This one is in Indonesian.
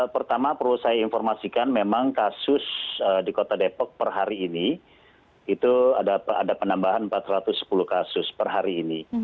pertama perlu saya informasikan memang kasus di kota depok per hari ini itu ada penambahan empat ratus sepuluh kasus per hari ini